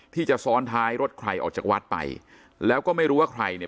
ที่จะซ้อนท้ายรถใครออกจากวัดไปแล้วก็ไม่รู้ว่าใครเนี่ย